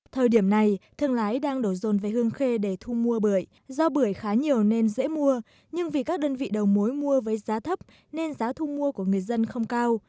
thời điểm này thương lái đang đổ rồn về hương khê để thu mua bưởi do bưởi khá nhiều nên dễ mua nhưng vì các đơn vị đầu mối mua với giá thấp nên giá thu mua của người dân không cao